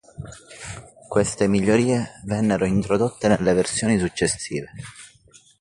Queste migliorie vennero introdotte nelle versioni successive.